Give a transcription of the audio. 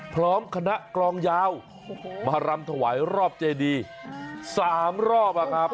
พร้อมคณะกลองยาวมารำถวายรอบเจดี๓รอบครับ